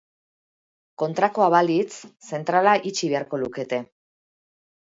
Kontrakoa balitz, zentrala itxi beharko lukete.